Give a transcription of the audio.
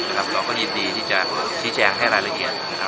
เราก็ยินดีที่จะชี้แจงให้รายละเอียด